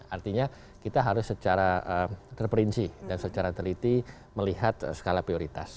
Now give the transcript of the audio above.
artinya kita harus secara terperinci dan secara teliti melihat skala prioritas